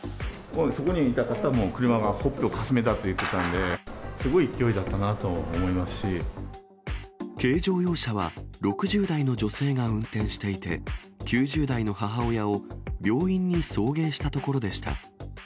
そこにいた方も、車がほっぺをかすめたって言ってたんで、すごい勢いだったなと思軽乗用車は、６０代の女性が運転していて、９０代の母親を病院に送迎したところでした。